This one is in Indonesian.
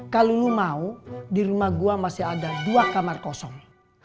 kalau lu mau di rumah gua masih ada dua kamar kosong